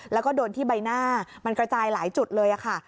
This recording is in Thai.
แล้วก็โดนที่ใบหน้ามันกระจายหลายจุดเลยค่ะ